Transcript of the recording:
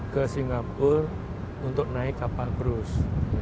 ke singapura untuk naik kapal brus